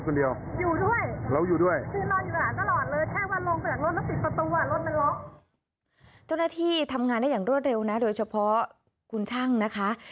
เจ้าหน้าที่ทำงานได้อย่างรวดเร็วนะโดยเฉพาะคุณช่างนะคะ